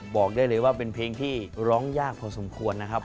บอกได้เลยว่าเป็นเพลงที่ร้องยากพอสมควรนะครับ